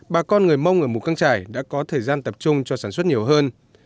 bà con người mông ở mũ căng trải đã có thời gian tập trung cho sản xuất nhiều hơn